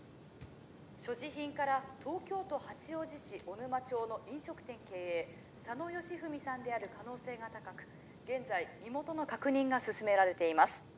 所持品から東京都八王子市小沼町の飲食店経営佐野義文さんである可能性が高く現在身元の確認が進められています。